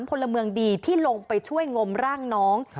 พลเมืองดีที่ลงไปช่วยงมร่างน้อง